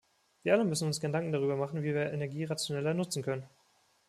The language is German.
Wir alle müssen uns Gedanken darüber machen, wie wir Energie rationeller nutzen können.